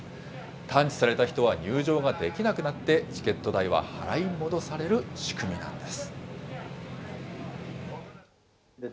探知された人は入場ができなくなって、チケット代は払い戻される仕組みなんです。